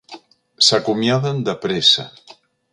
S'acomiaden de pressa.